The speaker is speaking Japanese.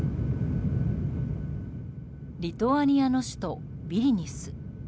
リトアニアの首都ビリニュス。